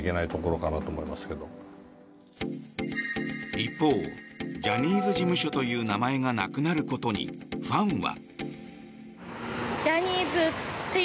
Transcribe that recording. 一方ジャニーズ事務所という名前がなくなることにファンは。